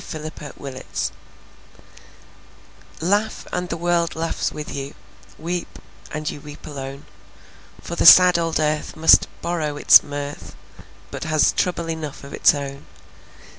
W X . Y Z Solitude LAUGH, and the world laughs with you; Weep, and you weep alone. For the sad old earth must borrow it's mirth, But has trouble enough of it's own.